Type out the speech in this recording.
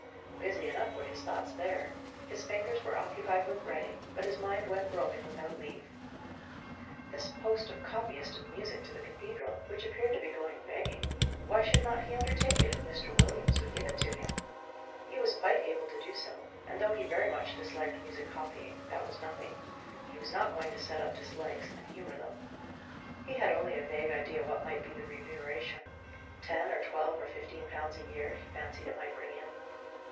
Busy enough were his thoughts there. His fingers were occupied with writing, but his mind went roaming without leave. This post of copyist of music to the cathedral, which appeared to be going begging; why should not he undertake it, if Mr. Williams would give it to him? He was quite able to do so, and though he very much disliked music copying, that was nothing: he was not going to set up dislikes, and humour them. He had only a vague idea what might be the remuneration; ten, or twelve, or fifteen pounds a year, he fancied it might bring in.